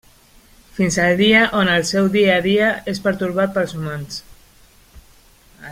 Fins al dia on el seu dia a dia és pertorbat pels humans.